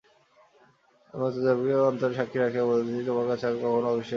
আমিও অন্তর্যামীকে অন্তরে সাক্ষী রাখিয়া বলিতেছি তোমার কাছে আমি কখনো অবিশ্বাসী হইব না।